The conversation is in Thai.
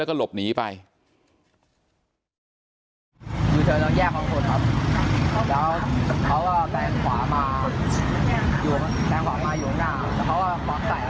แล้วเขาแปลงขวามาอยู่ข้างหน้า